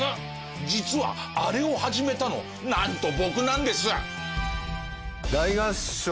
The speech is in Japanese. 実はあれを始めたのなんと僕なんです。